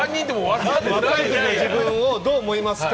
若いときの自分をどう思いますか？